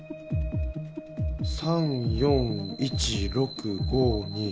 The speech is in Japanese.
「３４１６５２」。